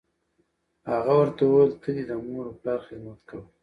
هغه ورته وویل: ته دې د مور و پلار خدمت کوه.